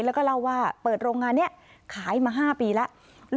แล้วก็เล่าว่าเปิดโรงงานนี้ขายมา๕ปีแล้ว